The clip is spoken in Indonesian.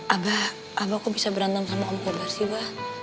abah abah kok bisa berantem sama om kobar sih abah